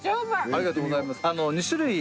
ありがとうございます。